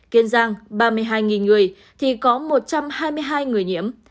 kiên giang ba mươi hai người thì có một trăm hai mươi hai người nhiễm